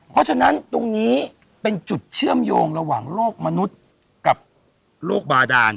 เพราะฉะนั้นตรงนี้เป็นจุดเชื่อมโยงระหว่างโลกมนุษย์กับโรคบาดาน